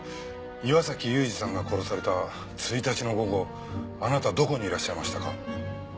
岩崎裕二さんが殺された１日の午後あなたどこにいらっしゃいましたか？